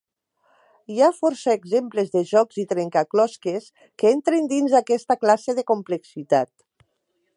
Hi ha força exemples de jocs i trencaclosques que entren dins aquesta classe de complexitat.